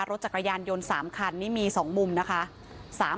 รถจักรยานยนต์๓คันนี่มี๒มุมนะคะ